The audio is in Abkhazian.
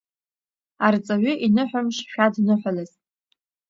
Арҵаҩы иныҳәамш шәадныҳәалаз!